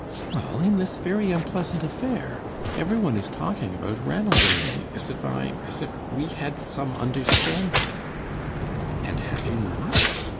"Well, in this very unpleasant affair; every one is talking about Ranald and me, as if I as if we had some understanding." "And have you not?